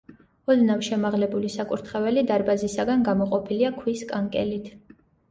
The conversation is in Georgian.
ოდნავ შემაღლებული საკურთხეველი დარბაზისაგან გამოყოფილია ქვის კანკელით.